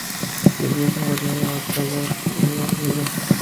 Ilias murió en la batalla y Aruj fue herido.